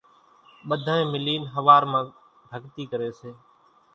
ٻڌانئين ملين ۿوار مان ڀڳتي ڪري سي